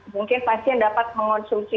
mungkin pasien dapat mengonsumsi